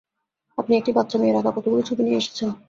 আপনি একটি বাচ্চা মেয়ের আঁকা কতগুলি ছবি নিয়ে এসেছেন।